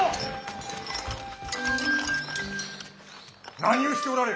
何をしておられる？